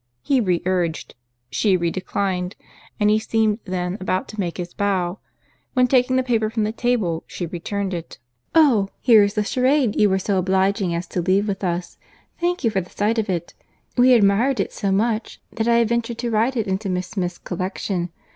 He re urged—she re declined; and he seemed then about to make his bow, when taking the paper from the table, she returned it— "Oh! here is the charade you were so obliging as to leave with us; thank you for the sight of it. We admired it so much, that I have ventured to write it into Miss Smith's collection.